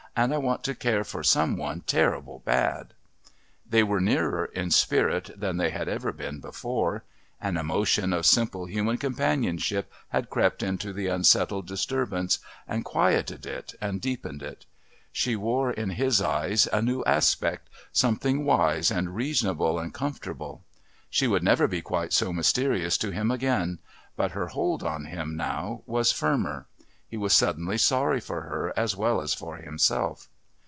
"And I want to care for some one terrible bad." They were nearer in spirit than they had ever been before; an emotion of simple human companionship had crept into the unsettled disturbance and quieted it and deepened it. She wore in his eyes a new aspect, something wise and reasonable and comfortable. She would never be quite so mysterious to him again, but her hold on him now was firmer. He was suddenly sorry for her as well as for himself.